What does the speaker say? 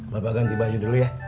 bapak ganti baju dulu ya